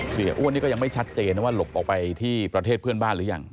เสียอ้วนนี่ก็ยังไม่ชัดเจนนะว่าหลบออกไปที่ประเทศเพื่อนบ้านหรือยัง